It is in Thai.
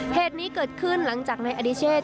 เหตุนี้เกิดขึ้นหลังจากนายอดิเชษ